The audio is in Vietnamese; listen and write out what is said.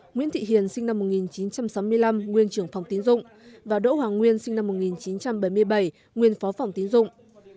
nguyễn thị hiền sinh năm một nghìn chín trăm sáu mươi năm nguyên trưởng phòng tín dụng và đỗ hoàng nguyên sinh năm một nghìn chín trăm bảy mươi bảy nguyên phó phòng tín dụng